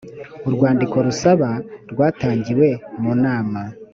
urwandiko rusaba rwatangiwe mu nama